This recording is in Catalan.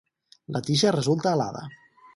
La tija resulta alada.